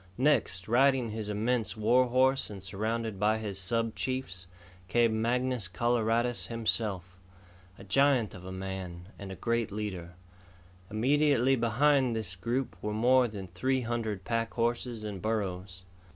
Next, riding his immense war horse and surrounded by his sub chiefs, came Mangus Coloradus himself a giant of a man and a great leader. Immediately behind this group were more than three hundred pack horses and burros.